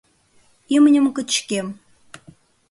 Имньым кычкем...